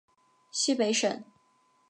西北省